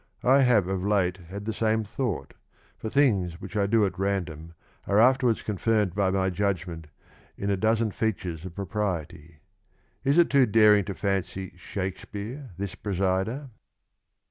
I have of late had the same thought, for things which I do at Random are afterwards confirmed by my judgment in a dozen features of Propriety. Is it too daring to fancy Shakespeare this Presider?